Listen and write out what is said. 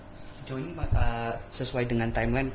sejauh ini sesuai dengan timeline